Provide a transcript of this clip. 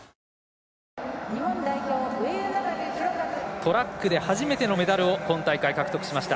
トラックで初めてのメダルを今大会獲得しました。